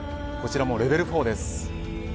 こちらもレベル４です。